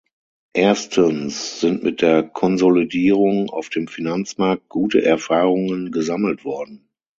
Erstens sind mit der Konsolidierung auf dem Finanzmarkt gute Erfahrungen gesammelt worden.